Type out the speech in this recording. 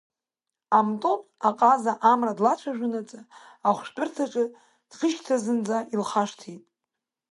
Амтон аҟаза Амра длацәажәонаҵы ахәшәтәырҭаҿы дшышьҭаз зынӡа илхашҭит.